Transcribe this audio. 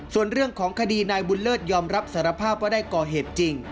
ส่วนเรื่องของคดีนายบุญเลิศยอมรับสารภาพว่าได้ก่อเหตุจริง